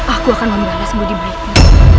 aku akan membalas mudimu